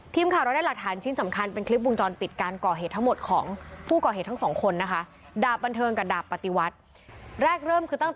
ทีมข่าวเราได้หลักฐานชิ้นสำคัญเป็นคลิปวงจรปิดการก่อเหตุทั้งหมดของผู้ก่อเหตุทั้งสองคนนะคะ